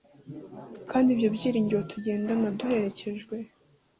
kandi ibyo byiringiro tugenda duherekejwe